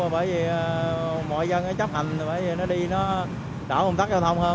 bởi vì mọi dân chấp hành bởi vì nó đi nó đỡ ồn tắc giao thông hơn